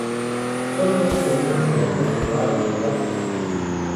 Sólo dos poemas se han conservado llevando su firma.